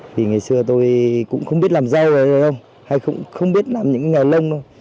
vì ngày xưa tôi cũng không biết làm rau rồi hay không hay không biết làm những nghề lông đâu